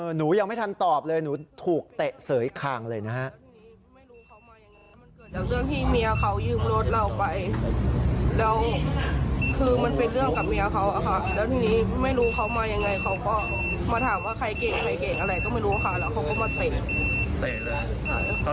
หนูยังไม่ทันตอบเลยหนูถูกเตะเสยคางเลยนะฮะ